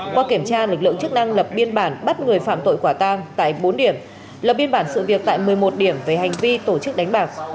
qua kiểm tra lực lượng chức năng lập biên bản bắt người phạm tội quả tang tại bốn điểm lập biên bản sự việc tại một mươi một điểm về hành vi tổ chức đánh bạc